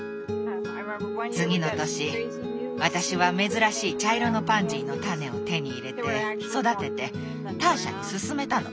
次の年私は珍しい茶色のパンジーの種を手に入れて育ててターシャにすすめたの。